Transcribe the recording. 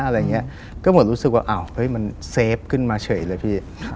อะไรอย่างนี้ก็เหมือนรู้สึกว่าอ้าวเฮ้ยมันเซฟขึ้นมาเฉยเลยพี่